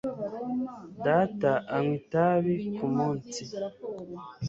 Data anywa itabi ku munsi.